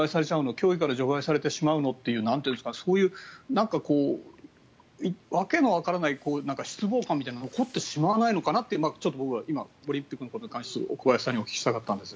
競技から除外されてしまうのっていうそういう訳のわからない失望感みたいなのが起こってしまわないのかなって僕、オリンピックのことに関して小林さんにお聞きしたかったんです。